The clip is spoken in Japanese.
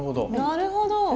なるほど。